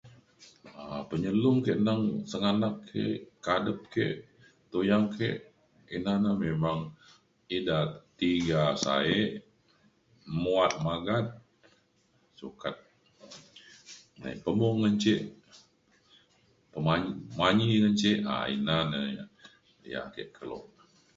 um penyelum ke' neng senganak ke kadep ke tuyang ke' ina ne memang ida tiga saek muat magat sukat tai pemung ngan ce' man manyi ngan ce' um ina ne ya' ake keluk